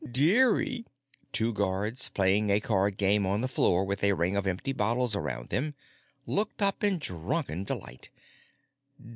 "Dearie!" Two guards, playing a card game on the floor with a ring of empty bottles around them, looked up in drunken delight.